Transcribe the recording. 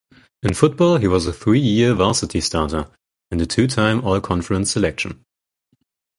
In football, he was a three-year varsity starter and a two-time All-Conference selection.